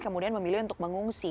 kemudian memilih untuk mengungsi